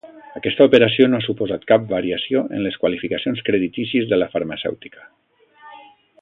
Aquesta operació no ha suposat cap variació en les qualificacions creditícies de la farmacèutica.